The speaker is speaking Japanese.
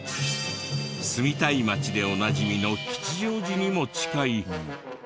住みたい街でおなじみの吉祥寺にも近い。